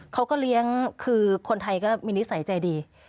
เขาก็เลี้ยงคือคนไทยก็มีนิสัยใจดี